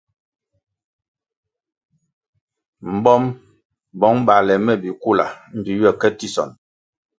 Mbom, bong bale me bikula mbpi ywe ke tisonʼ.